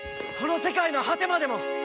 この世界の果てまでも！